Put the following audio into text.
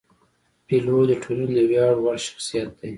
پیلوټ د ټولنې د ویاړ وړ شخصیت دی.